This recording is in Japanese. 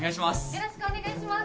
よろしくお願いします。